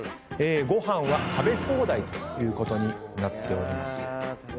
ご飯は食べ放題ということになっております。